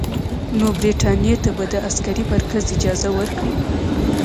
نو برټانیې ته به د عسکري مرکز اجازه ورکړي.